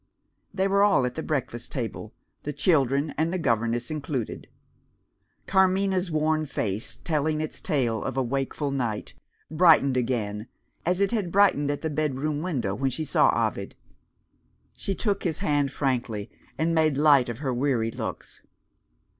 They were all at the breakfast table, the children and the governess included. Carmina's worn face, telling its tale of a wakeful night, brightened again, as it had brightened at the bedroom window, when she saw Ovid. She took his hand frankly, and made light of her weary looks.